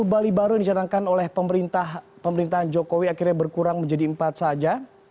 satu bali baru yang dicanangkan oleh pemerintahan jokowi akhirnya berkurang menjadi empat saja